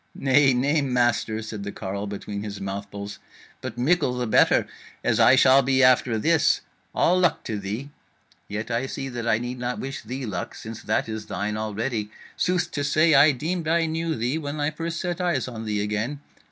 "Nay, nay, master," said the carle between his mouthfuls, "but mickle the better, as I shall be after this: all luck to thee! Yet see I that I need not wish thee luck, since that is thine already. Sooth to say, I deemed I knew thee when I first set eyes on thee again.